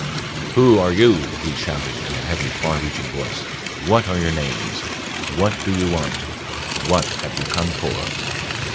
"Who are you?" he shouted in a heavy, far reaching voice. "What are your names? What do you want? What have you come for?"